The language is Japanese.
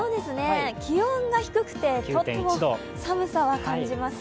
気温が低くて、とても寒さは感じます。